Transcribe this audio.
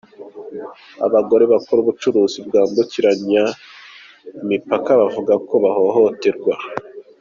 Abagore bakora ubucuruzi bwambukiranya imipaka bavuga ko bahohoterwa